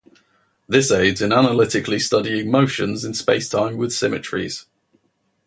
This aids in analytically studying motions in a spacetime with symmetries.